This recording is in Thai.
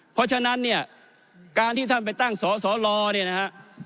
เพราะฉะนั้นเนี่ยการที่ท่านไปตั้งสสลเนี่ยนะฮะ